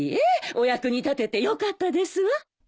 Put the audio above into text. お役に立ててよかったですわ。